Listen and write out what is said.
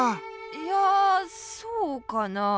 いやそうかなあ。